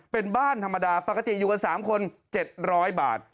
เป็นบ้านธรรมดาปกติอยู่กัน๓คน๗๐๐บาท